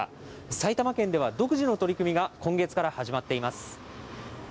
埼玉県では独自の取り組みが今月から始まっています。